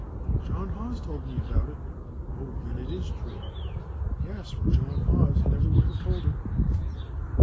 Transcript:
"John Haws told me about it." "O, then it is true!" "Yes, or John Haws never would have told it."